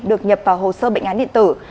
được nhập vào hồ sơ bệnh án điện tử